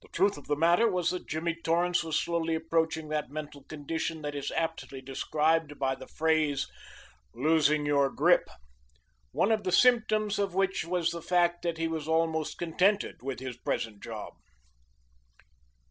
The truth of the matter was that Jimmy Torrance was slowly approaching that mental condition that is aptly described by the phrase, "losing your grip," one of the symptoms of which was the fact that he was almost contented with his present job.